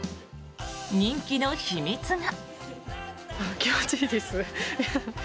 人気の秘密が。